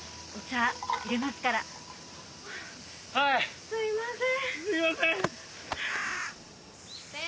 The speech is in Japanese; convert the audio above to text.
ああすいません。